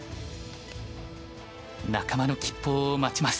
仲間の吉報を待ちます。